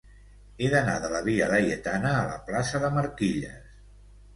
He d'anar de la via Laietana a la plaça de Marquilles.